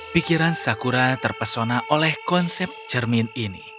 pikiran sakura terpesona oleh konsep cermin ini